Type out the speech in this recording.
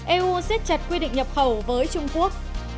eu siết chặt quy định nhập khẩu với trung quốc